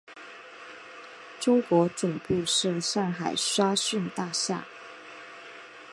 中国总部设上海沙逊大厦。